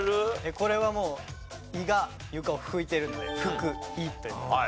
これはもう胃が床を拭いてるので「拭く胃」という事で。